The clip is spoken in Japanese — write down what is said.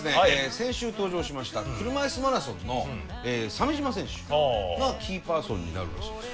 先週登場しました車いすマラソンの鮫島選手がキーパーソンになるらしいです。